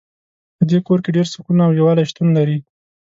په دې کور کې ډېر سکون او یووالۍ شتون لری